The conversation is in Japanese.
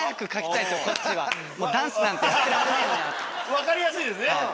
分かりやすいですね。